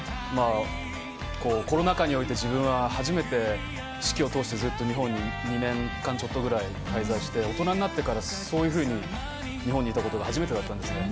コロナ禍において自分は初めて四季を通してずっと２年間ちょっとぐらい、日本に滞在して大人になってからそういうふうに日本にいたことが初めてだったんですね。